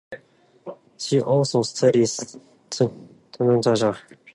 She also studied psychodrama and psychoanalysis.